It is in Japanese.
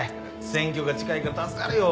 選挙が近いから助かるよ。